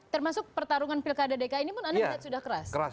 termasuk pertarungan pilkada dki ini pun anda melihat sudah keras